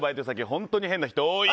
本当に変な人多い。